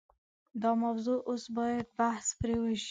دا موضوع اوس باید بحث پرې وشي.